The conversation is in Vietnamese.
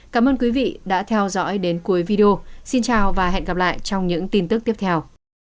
cảm ơn quý vị đã theo dõi đến cuối video xin chào và hẹn gặp lại trong những tin tức tiếp theo